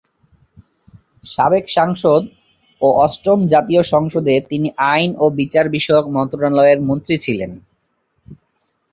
সাবেক সাংসদ ও অষ্টম জাতীয় সংসদে তিনি আইন ও বিচার বিষয়ক মন্ত্রণালয়ের মন্ত্রী ছিলেন।